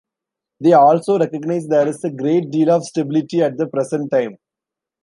They also recognize there is a great deal of stability at the present time.